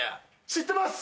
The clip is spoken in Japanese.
知ってます！